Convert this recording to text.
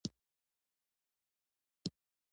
دوی غوښتل په حجاز کې له ترکي مقاماتو سره خبرې وکړي.